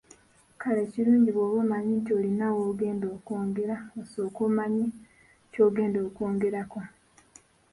Kale kirungi bw’oba omanyi nti olina w’ogenda okwogera osooke omanye ky’ogenda okwgerako.